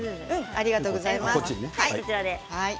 ありがとうございます。